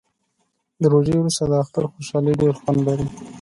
د روژې وروسته د اختر خوشحالي ډیر خوند لري